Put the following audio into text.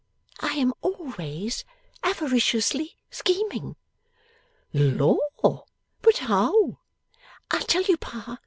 I am always avariciously scheming.' 'Lor! But how?' 'I'll tell you, Pa.